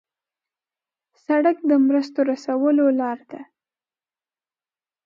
سړک د مرستو رسولو لار ده.